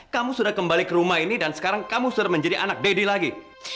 kamu sudah kembali ke rumah ini dan sekarang kamu sudah menjadi anak deddy lagi